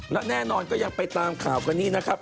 และแน่นอนก็ยังไปตามข่าวกันนี่นะครับ